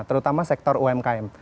terutama sektor umkm